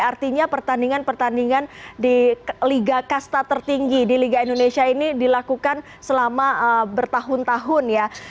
artinya pertandingan pertandingan di liga kasta tertinggi di liga indonesia ini dilakukan selama bertahun tahun ya